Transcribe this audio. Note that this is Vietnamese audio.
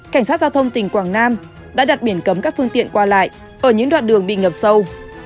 cảnh sát giao thông tỉnh quảng nam đã đặt biển cấm các phương tiện qua lại ở những đoạn đường bị ngập sâu